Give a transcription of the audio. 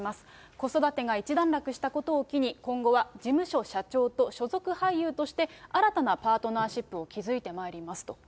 子育てが一段落したことを機に、今後は事務所社長と所属俳優として、新たなパートナーシップを築いてまいりますと。